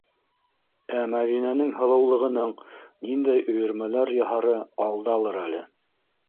Ә Мәҙинәнең һылыулығының ниндәй өйөрмәләр яһары алдалыр әле.